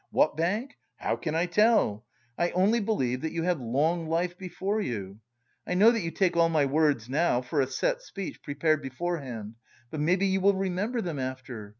What bank? How can I tell? I only believe that you have long life before you. I know that you take all my words now for a set speech prepared beforehand, but maybe you will remember them after.